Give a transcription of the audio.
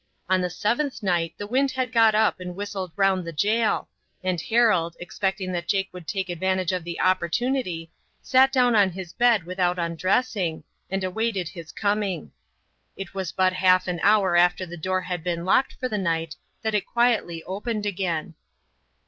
On the seventh night the wind had got up and whistled around the jail, and Harold, expecting that Jake would take advantage of the opportunity, sat down on his bed without undressing, and awaited his coming. It was but half an hour after the door had been locked for the night that it quietly opened again.